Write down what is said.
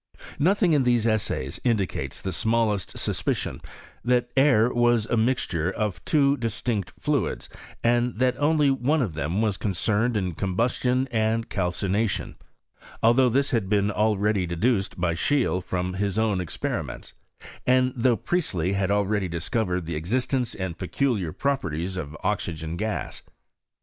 Nothing in these essays indicates the smallest sus picion that ale was a mixture of two distinct fluids, and that only one of them was concerned in com bustion and calcination; although this had been already deduced by Scbecle from his own experi ments, and though Priestley had already discovered the existence and peculiar properties of oxygen gaa.